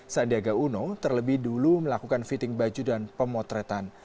sandiaga uno terlebih dulu melakukan fitting baju dan pemotretan